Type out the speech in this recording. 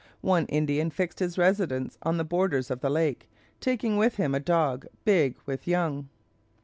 One Indian fixed his residence on the borders of the lake, taking with him a dog big with young.